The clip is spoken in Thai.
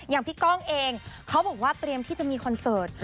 อย่างพี่ก้องเองเขาบอกว่าเตรียมที่จะมีคอนเสิร์ต